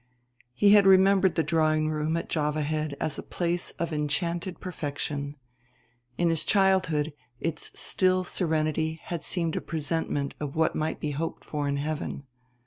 He had remembered the drawing room at Java Head as a place of enchanted perfection; in his childhood its still serenity had seemed a presentment of what might be hoped for in heaven.